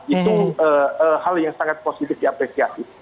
itu hal yang sangat positif diapresiasi